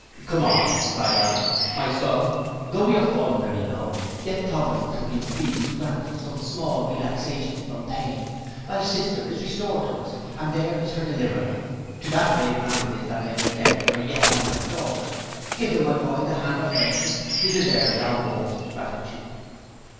'Come on,' cried I, 'my son, though we are fallen very low, yet providence has been pleased to grant us some small relaxation from pain. Thy sister is restored to us, and there is her deliverer: to that brave man it is that I am indebted for yet having a daughter, give him, my boy, the hand of friendship, he deserves our warmest gratitude.